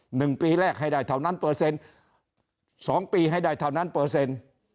หนึ่งปีแรกให้ได้เท่านั้นเปอร์เซ็นต์สองปีให้ได้เท่านั้นเปอร์เซ็นต์